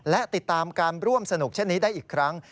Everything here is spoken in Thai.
และติดตามการร่วมสนุกเช่นนี้ได้อีกครั้ง